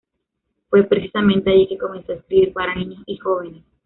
Fue precisamente allí que comenzó a escribir para niños y jóvenes.